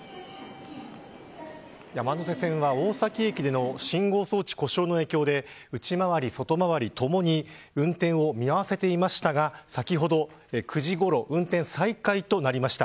山手線は、大崎駅での信号装置故障の影響で内回り、外回りともに運転を見合わせていましたが先ほど９時ごろ運転再開となりました。